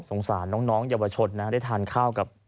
สงสารน้องเยาวชนนะได้ทานข้าวกับ